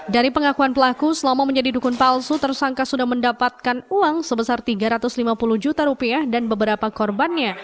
dari pengakuan pelaku selama menjadi dukun palsu tersangka sudah mendapatkan uang sebesar tiga ratus lima puluh juta rupiah dan beberapa korbannya